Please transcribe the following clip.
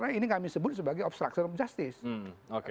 yang kami sebut sebagai obstruction of justice